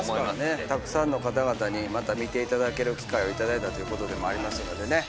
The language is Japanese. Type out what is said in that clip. たくさんの方々に見ていただける機会を頂いたということでもありますのでね。